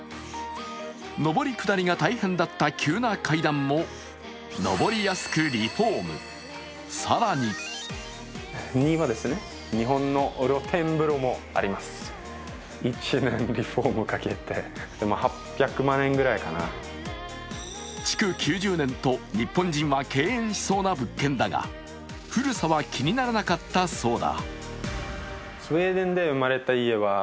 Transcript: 上り下りが大変だった急な階段も上りやすくリフォーム、更に築９０年と日本人は嫌煙しそうな古さだが古さは気にならなかったそうだ。